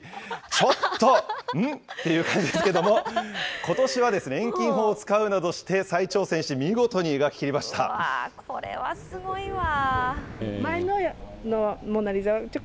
ちょっと、ん？っていう感じですけど、ことしは遠近法を使うなどして再挑戦して、見事に描き切りうわー、これはすごいわ。